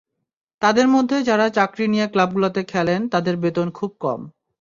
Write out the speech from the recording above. তাঁদের মধ্যে যাঁরা চাকরি নিয়ে ক্লাবগুলোতে খেলেন, তাঁদের বেতন খুব কম।